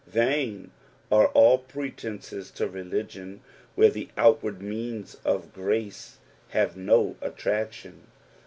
Vain are all pretences to religion where the outward means of grace huve DO attraction.